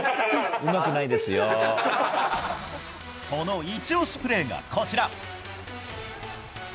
そのイチ押しプレーがこちら。